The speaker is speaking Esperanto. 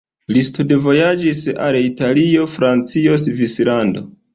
Li studvojaĝis al Italio, Francio, Svislando.